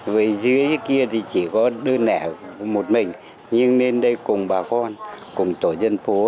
với dưới kia thì chỉ có đơn lẻ một mình nhưng lên đây cùng bà con cùng tổ dân phố